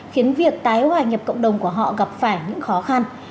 khiến việc tái hòa nhập cộng đồng của họ gặp phải những khó khăn